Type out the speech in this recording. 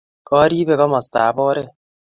koribei kamostab oret